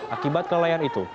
akibat kelelayan itu